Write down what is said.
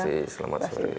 terima kasih selamat sore